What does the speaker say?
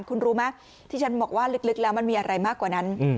คุณรู้ไหมที่ฉันบอกว่าลึกแล้วมันมีอะไรมากกว่านั้น